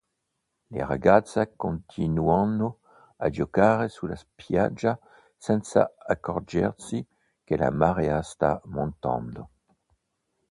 Le ragazze continuano a giocare sulla spiaggia senza accorgersi che la marea sta montando.